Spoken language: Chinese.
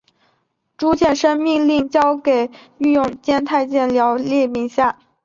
朱见深命令交给御用监太监廖寿拉名下。